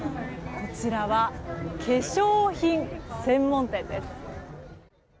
こちらは、化粧品専門店です。